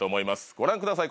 ご覧ください